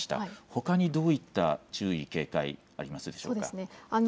ほかにどういった注意、警戒ありますでしょうか。